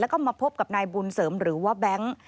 แล้วก็มาพบกับนายบุญเสริมหรือว่าแบงค์